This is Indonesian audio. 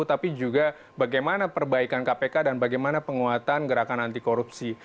tapi juga bagaimana perbaikan kpk dan bagaimana penguatan gerakan anti korupsi